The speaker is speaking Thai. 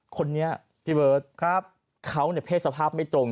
คนนี้พี่เบิร์ตเขาเนี่ยเพศสภาพไม่ตรง